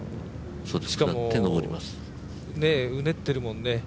しかもうねってるもんね。